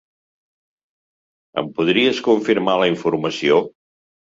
Em podries confirmar la informació?